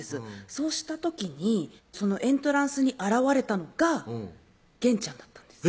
そうした時にエントランスに現れたのがげんちゃんだったんです